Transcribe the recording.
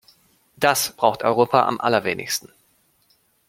Das braucht Europa am allerwenigsten.